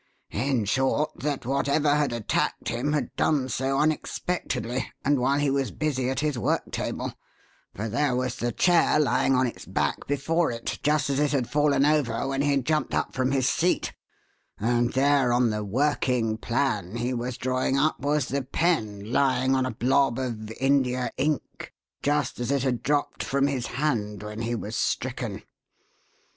In short, that whatever had attacked him had done so unexpectedly and while he was busy at his work table, for there was the chair lying on its back before it, just as it had fallen over when he jumped up from his seat, and there on the 'working plan' he was drawing up was the pen lying on a blob of India ink, just as it had dropped from his hand when he was stricken.